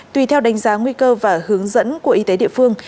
tùy theo đánh giá nguy cơ và hướng dẫn của y tế địa phương